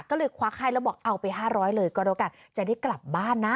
ก็เลยควักให้แล้วบอกเอาไป๕๐๐เลยก็แล้วกันจะได้กลับบ้านนะ